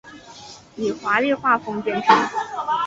以华丽画风见称。